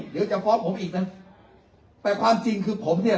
เดี๋ยวจะฟ้องผมอีกนะแต่ความจริงคือผมเนี่ย